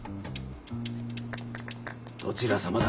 どちらさまだ？